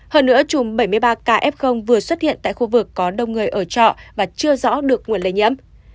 hơn nữa chùm bảy mươi ba ca f vừa xuất hiện tại khu vực có đông người ở trọ và chưa rõ được nguồn lây nhiễm